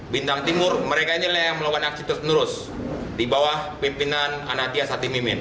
tiga puluh lima bintang timur mereka ini yang melakukan aksi terus menerus di bawah pimpinan anathia